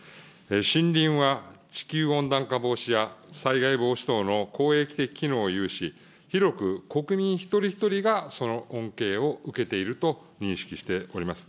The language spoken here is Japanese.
森林は地球温暖化防止や、災害防止等の公益的機能を有し、広く国民一人一人がその恩恵を受けていると認識しております。